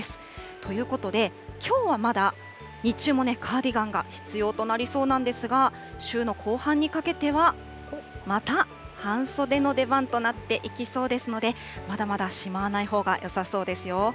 ということで、きょうはまだ日中もね、カーディガンが必要となりそうなんですが、週の後半にかけてはまた半袖の出番となっていきそうですので、まだまだしまわないほうがよさそうですよ。